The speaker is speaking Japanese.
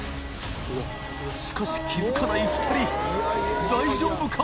靴気づかない２人大丈夫か？